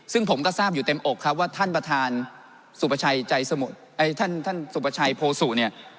ซึ่งผมก็ทราบอยู่เต็มอกครับว่าท่านประธานสุปชัยโภสุเนี่ย